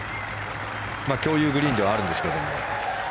共有グリーンではあるんですけど。